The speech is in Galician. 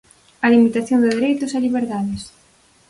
A limitación de dereitos e liberdades.